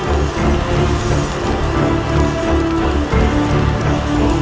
apa susah ini